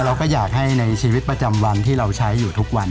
เราก็อยากให้ในชีวิตประจำวันที่เราใช้อยู่ทุกวัน